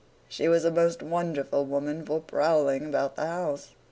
She was a most wonderful woman for prowling about the house.